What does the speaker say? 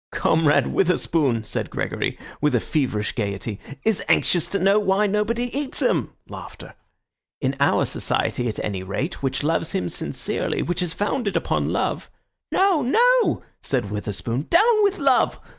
"Comrade Witherspoon," said Gregory, with a feverish gaiety, "is anxious to know why nobody eats him. In our society, at any rate, which loves him sincerely, which is founded upon love—" "No, no!" said Witherspoon, "down with love."